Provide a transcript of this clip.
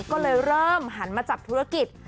ก็เลยเริ่มหันมาจับธุรกิจ